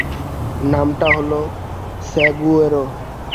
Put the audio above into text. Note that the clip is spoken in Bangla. নামটা এল স্যাগুয়ারো।